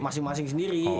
ya masing masing sendiri